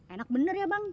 enak bener ya bang